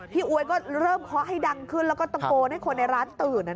อวยก็เริ่มเคาะให้ดังขึ้นแล้วก็ตะโกนให้คนในร้านตื่น